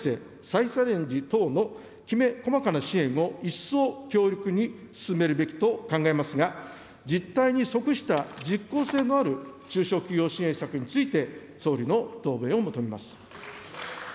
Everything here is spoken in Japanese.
・再チャレンジ等のきめ細かな支援を一層強力に進めるべきと考えますが、実態に即した実効性のある中小企業支援策について、総理の答弁を求めます。